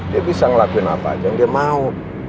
dia bisa laki laki apa saja yang dia mau